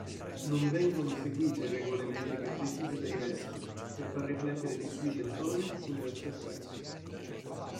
Non vengono seguite regole metriche precise per i versi per far riflettere di più il lettore sul verso espresso.